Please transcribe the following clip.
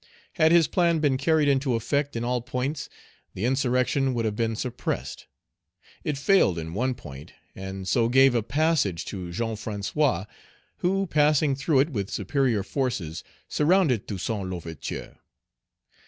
Had his plan been carried into effect in all points, the insurrection would have been suppressed. It failed in one point; and so gave a passage to Jean François, who, passing through it with superior forces, surrounded Toussaint L'Ouverture.